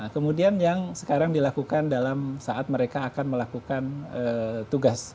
kemudian yang sekarang dilakukan dalam saat mereka akan melakukan tugas